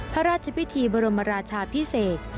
พระราชพิธีบรมราชาพิเศษ